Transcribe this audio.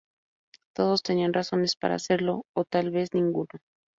Todos tenían razones para hacerlo o tal vez ninguno.